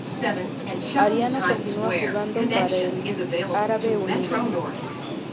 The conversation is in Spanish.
Ariano continuó jugando para el C. D. Árabe Unido.